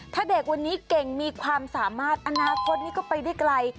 ถ้าเด็กวันนี้เก่งมีความสามารถอนาคตนี้ก็ไปได้ไกล